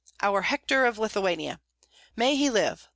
"Our Hector of Lithuania!" "May he live!